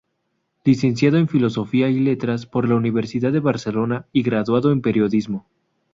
Licenciado en Filosofía y Letras por la Universidad de Barcelona y graduado en periodismo.